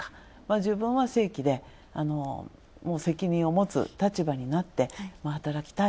自分は正規で責任を持つ立場になって働きたい。